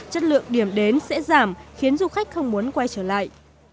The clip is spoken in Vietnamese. chất lượng điểm đến sẽ giảm khiến du khách không muốn quay trở lại